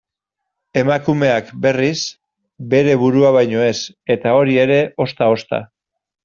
Emakumeak, berriz, bere burua baino ez, eta hori ere ozta-ozta.